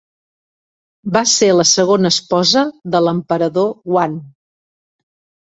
Va ser la segona esposa de l'emperador Huan.